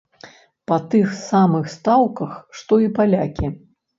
Па тых самых стаўках, што і палякі.